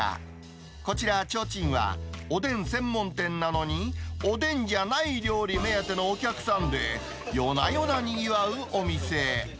こちら、ちょうちんは、おでん専門店なのに、おでんじゃない料理目当てのお客さんで、夜な夜なにぎわうお店。